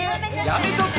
やめとけ！